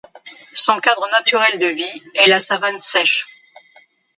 Son cadre naturel de vie est la savane sèche.